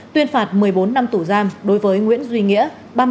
tuyên phạt một mươi bốn năm tù giam đối với nguyễn duy nghĩa